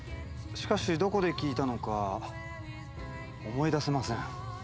しかしどこで聞いたのか思い出せません。